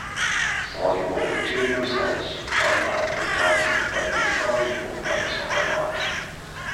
Soluble lutetium salts are mildly toxic, but insoluble ones are not.